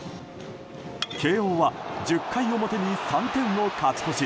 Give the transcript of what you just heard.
慶應は１０回表に３点を勝ち越し